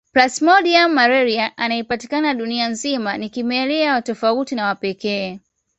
Plasmodium malariae anayepatikana dunia nzima ni kimelea wa tofauti na wa pekee